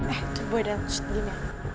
eh tuh boy ada yang cek gini